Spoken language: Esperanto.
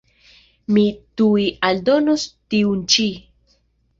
Mi tuj aldonos tiun ĉi.